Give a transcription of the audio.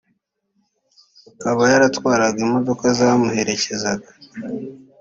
akaba yaratwaraga imodoka zamuherekezaga